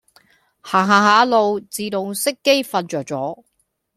行行下路自動熄機瞓著咗